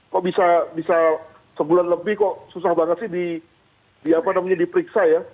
kok bisa sebulan lebih kok susah banget sih diperiksa ya